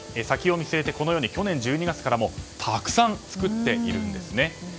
先を見据えてこのように去年１２月からもたくさん作っているんですね。